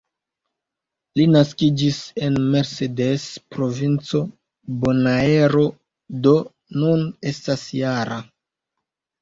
Li naskiĝis en "Mercedes", provinco Bonaero, do nun estas -jara.